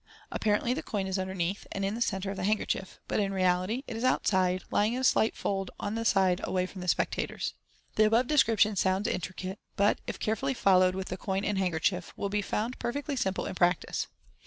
Apparently Jie coin is underneath, and in the centre of the handkerchief 5 but in reality it is outside, lying in a slight fold on the side away from the spectators. The above description sounds intricate, bur. if carefully followed with the coin and handkerchief will be found perfectly simple in Fig. 78. i68 MODERN MAGIC. practice.